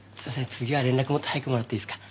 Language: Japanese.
次は連絡もっと早くもらっていいですか？